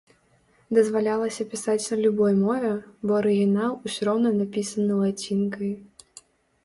Дазвалялася пісаць на любой мове, бо арыгінал усё роўна напісаны лацінкай.